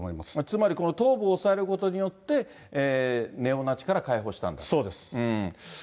つまりこの東部を押さえることによって、ネオナチから解放したんだと。